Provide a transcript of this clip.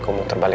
aku muntah balik